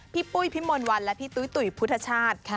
ปุ้ยพี่มนต์วันและพี่ตุ้ยตุ๋ยพุทธชาติ